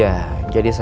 buat dicek di lantai